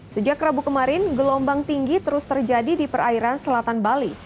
sejak rabu kemarin gelombang tinggi terus terjadi di perairan selatan bali